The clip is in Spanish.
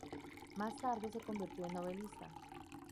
Más tarde se convirtió en novelista.